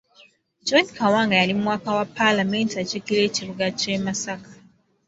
John Kawanga yali mubaka wa palamenti akiikirira ekibuga ky’e Masaka.